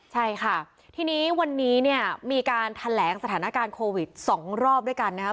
ใช่ค่ะทีนี้วันนี้เนี่ยมีการแถลงสถานการณ์โควิด๒รอบด้วยกันนะครับ